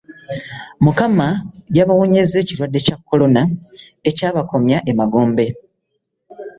Mukama yabawonyezza ekirwadde Kya Corona ekyabakomya e magombe